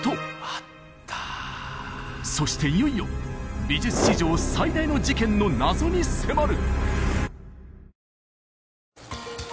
あったそしていよいよ美術史上最大の事件の謎に迫る！